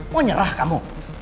mau nyerah kamu